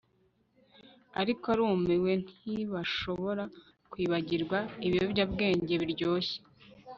ariko arumiwe ntibashobora kwibagirwa ibiyobyabwenge biryoshye